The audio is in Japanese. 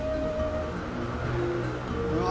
うわ。